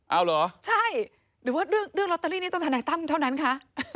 เอาเหรอใช่หรือว่าเรื่องลอตเตอรี่นี้ต้องทนายตั้มเท่านั้นคะ